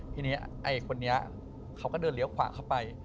ทีนี้ไอ้คนนี้เขาก็เดินเลี้ยวขวาเข้าไป